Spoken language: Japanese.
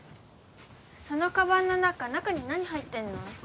そのカバンの中中に何入ってんの？